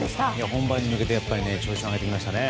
本番に向けて調子を上げてきましたね。